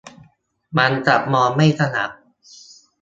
มันจะมองไม่ถนัด